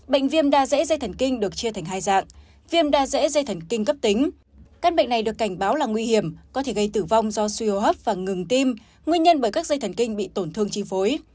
bệnh viêm da dễ dây thần kinh được chia thành hai dạng viêm da dễ dây thần kinh cấp tính căn bệnh này được cảnh báo là nguy hiểm có thể gây tử vong do suy hô hấp và ngừng tim nguyên nhân bởi các dây thần kinh bị tổn thương chi phối